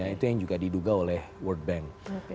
itu yang juga diduga oleh world bank